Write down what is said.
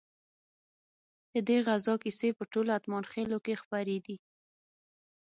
ددې غزا کیسې په ټولو اتمانخيلو کې خپرې دي.